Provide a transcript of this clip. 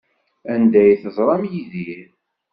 Anda ay teẓram Yidir?